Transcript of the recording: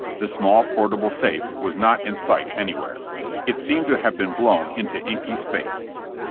The small, portable safe was not in sight anywhere. It seemed to have been blown into inky space.